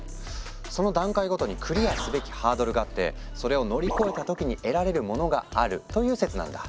その段階ごとにクリアすべきハードルがあってそれを乗り越えた時に得られるものがあるという説なんだ。